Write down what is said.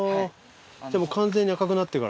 じゃあ完全に赤くなってから？